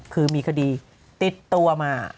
คือมีคดีประโยชน์ติดตัวมา